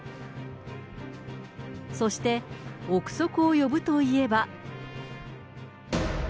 そして、憶測を呼ぶといえば。